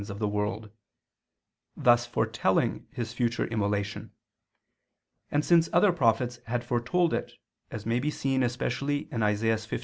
'sin'] of the world," thus foretelling His future immolation; and since other prophets had foretold it, as may be seen especially in Isaias 53.